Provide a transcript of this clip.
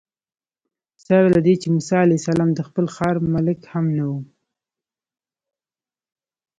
سره له دې چې موسی علیه السلام د خپل ښار ملک هم نه و.